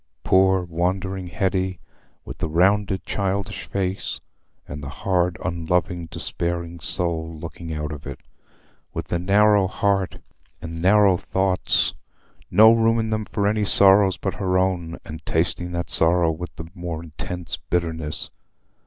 Poor wandering Hetty, with the rounded childish face and the hard, unloving, despairing soul looking out of it—with the narrow heart and narrow thoughts, no room in them for any sorrows but her own, and tasting that sorrow with the more intense bitterness!